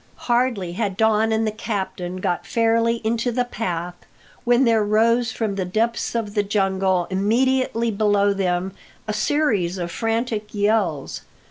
Hardly had Don and the captain got fairly into the path when there rose from the depths of the jungle immediately below them a series of frantic yells.